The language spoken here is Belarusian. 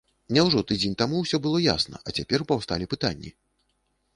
Няўжо тыдзень таму ўсё было ясна, а цяпер паўсталі пытанні?